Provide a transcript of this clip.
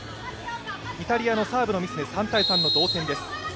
イタリアのサーブのミスで３−３の同点です。